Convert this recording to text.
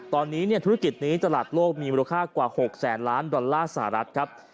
ตอนนี้ธุรกิจนี้ตลาดโลกมีมูลค่ากว่า๖แสนล้านดอลลาร์สหรัฐครับ